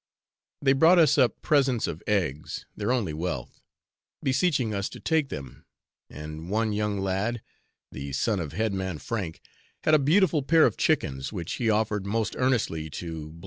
They brought us up presents of eggs (their only wealth), beseeching us to take them, and one young lad, the son of head man Frank, had a beautiful pair of chickens, which he offered most earnestly to S